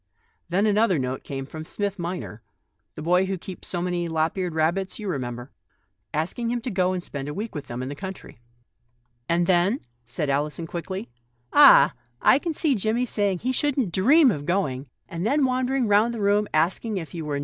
Then another note came from Smith minor — the boy who keeps so many lop eared rabbits, you remember — asking him to go and spend a week with them in the country." " And then," said Allison quietly, " ah ! I can see Jimmie saying he shouldn't dream of going, and then, when that was settled, wan dering round the room, asking if you were ALISON.